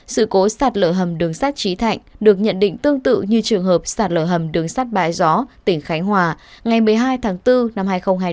sự cố sạt lở hầm đường sắt trí thạnh được nhận định tương tự như trường hợp sạt lở hầm đường sắt bãi gió tỉnh khánh hòa ngày một mươi hai tháng bốn năm hai nghìn hai mươi bốn